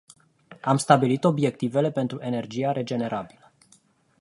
Am stabilit obiectivele pentru energia regenerabilă.